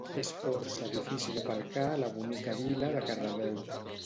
És força difícil aparcar a la bonica vila de Cardedeu